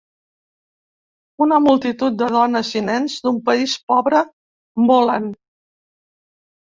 Una multitud de dones i nens d'un país pobre molen.